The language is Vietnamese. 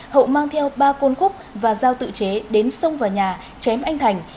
hậu mang theo ba côn khúc và dao tự chế đến sông và nhà chém anh thành